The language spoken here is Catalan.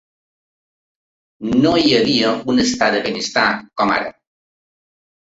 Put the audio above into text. No hi havia un estat del benestar com ara.